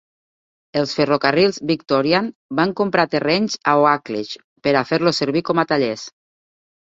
Els ferrocarrils Victorian van comprar terrenys a Oakleig per a fer-los servir com a tallers.